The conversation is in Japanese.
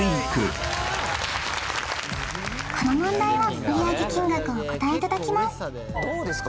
この問題は売上金額をお答えいただきますどうですか？